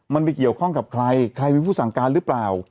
มันไปเกี่ยวข้องกับใครใครเป็นผู้สั่งการหรือเปล่า